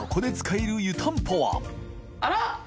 あら！